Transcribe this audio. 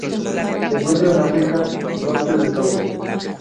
Se encuentran en África: norte de Togo.